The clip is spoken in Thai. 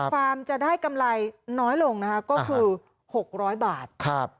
ฟาร์มจะได้กำไรน้อยลงนะคะก็คือ๖๐๐บาท